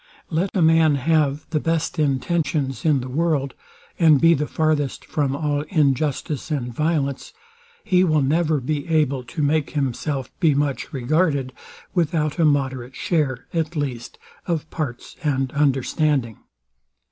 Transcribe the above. Let a man have the best intentions in the world, and be the farthest from all injustice and violence, he will never be able to make himself be much regarded without a moderate share, at least, of parts and understanding.